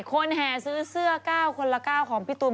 คนแห่ซื้อเสื้อก้าวคนละก้าวของพี่ตุ๋น